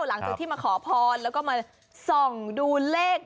หลังจากที่มาขอพรแล้วก็มาส่องดูเลข